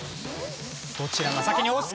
どちらが先に押すか。